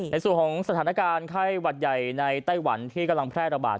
ในส่วนของสถานการณ์ไข้หวัดใหญ่ในไต้หวันที่กำลังแพร่ระบาด